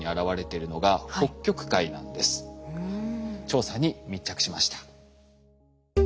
調査に密着しました。